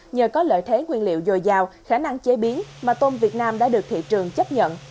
nhờ có lợi thế nguyên liệu dồi dào khả năng chế biến mà tôm việt nam đã được thị trường chấp nhận